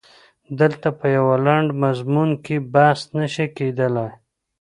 دلته په یوه لنډ مضمون کې بحث نه شي کېدلای.